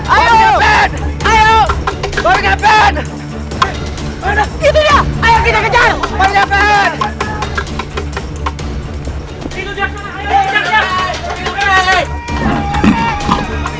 ayo ke pen itu